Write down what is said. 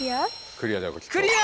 クリア？